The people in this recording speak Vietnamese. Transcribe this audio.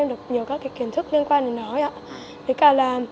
con đã được nhiều các kiến thức liên quan đến nó ạ